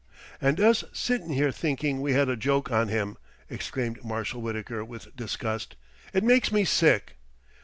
"And us sitting here thinking we had a joke on him!" exclaimed Marshal Wittaker with disgust. "It makes me sick!"